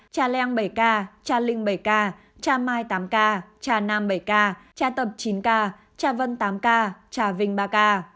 trà leng bảy ca trà linh bảy ca trà mai tám ca trà nam bảy ca trà tập chín ca trà vân tám ca trà vinh ba ca